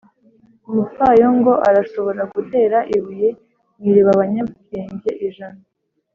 umupfayongo arashobora gutera ibuye mu iriba abanyabwenge ijana